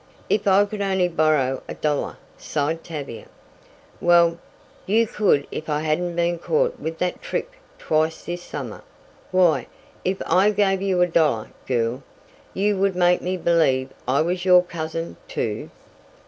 "If I could only borrow a dollar!" sighed Tavia. "Well, you could if I hadn't been caught with that trick twice this summer. Why, if I gave you a dollar, girl, you would make me believe I was your cousin, too."